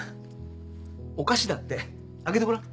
お菓子だって開けてごらん。